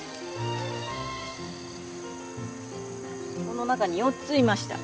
この中に４ついました。